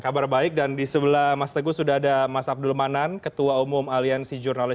kabar baik dan di sebelah mas teguh sudah ada mas abdul manan ketua umum aliansi jurnalis